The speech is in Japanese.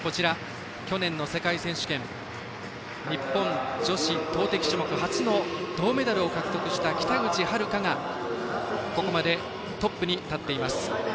去年の世界選手権で日本女子投てき種目初の銅メダルを獲得した北口榛花がここまでトップに立っています。